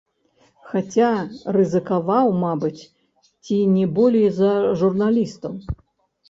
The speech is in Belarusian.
Хаця рызыкаваў, мабыць, ці не болей за журналістаў.